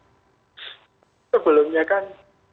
itu belumnya kan